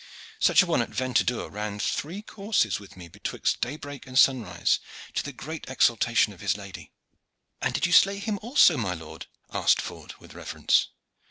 Such a one at Ventadour ran three courses with me betwixt daybreak and sunrise, to the great exaltation of his lady." "And did you slay him also, my lord?" asked Ford with reverence.